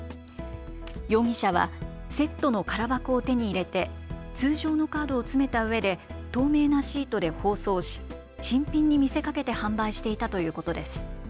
容疑者はセットの空箱を手に入れて通常のカードを詰めたうえで透明なシートで包装し新品に見せかけて販売していたということです。